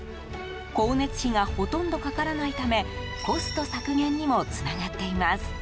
光熱費がほとんどかからないためコスト削減にもつながっています。